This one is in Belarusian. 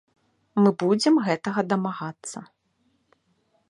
Мы будзем гэтага дамагацца.